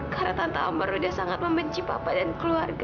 karena tante amar udah sangat membenci papa dan keluarga